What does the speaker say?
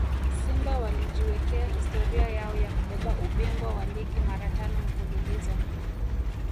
Simba walijiwekea historia yao ya kubeba ubingwa wa ligi mara tano mfululizo